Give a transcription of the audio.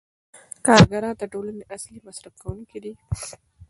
کارګران د ټولنې اصلي مصرف کوونکي دي